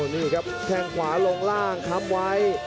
ดูขางขวาลงล่างทำไว้